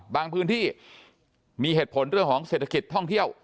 พื้นที่มีเหตุผลเรื่องของเศรษฐกิจท่องเที่ยว